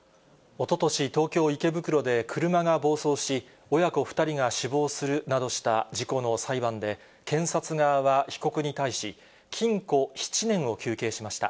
おととし、東京・池袋で車が暴走し、親子２人が死亡するなどした事故の裁判で、検察側は被告に対し、禁錮７年を求刑しました。